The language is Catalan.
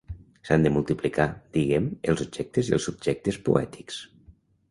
S'han de multiplicar, diguem, els objectes i els subjectes poètics.